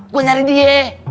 gue nyari dia